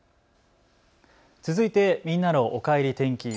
続いてみんなのおかえり天気。